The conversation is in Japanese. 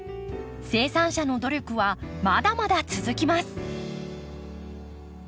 生産者の努力はまだまだ続きます。